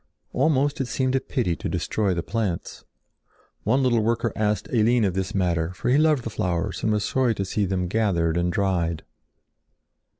Almost it seemed a pity to destroy the plants. One little worker asked Eline of this matter for he loved the flowers and was sorry to see them gathered and dried.